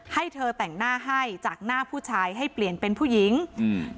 ให้เธอแต่งหน้าให้จากหน้าผู้ชายให้เปลี่ยนเป็นผู้หญิงอืม